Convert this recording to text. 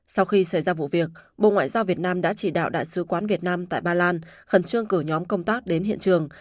sau khi xảy ra vụ việc bộ ngoại giao việt nam đã chỉ đạo đại sứ quán việt nam tại ba lan khẩn trương cử nhóm công tác đến hiện trường